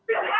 ya mas rehat